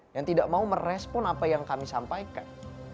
yang tidak mau merespon apa yang kami sampaikan